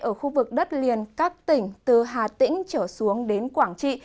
ở khu vực đất liền các tỉnh từ hà tĩnh trở xuống đến quảng trị